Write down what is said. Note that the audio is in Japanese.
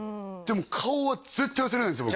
でも顔は絶対忘れないんですよ